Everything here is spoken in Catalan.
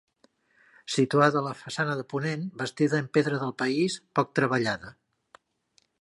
Situada a la façana de ponent, bastida en pedra del país poc treballada.